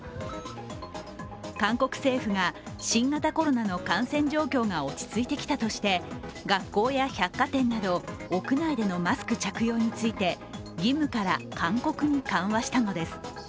韓国政府が、新型コロナの感染状況が落ち着いてきたとして学校や百貨店など屋内でのマスク着用について義務から勧告に緩和したのです。